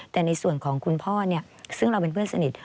แต่ในส่วนของคุณพ่อซึ่งเราเป็นเพื่อนสนิท